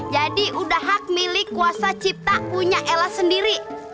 jadi udah hak milik kuasa cipta punya ella sendiri